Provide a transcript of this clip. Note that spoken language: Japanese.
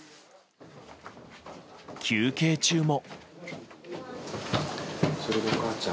休憩中も。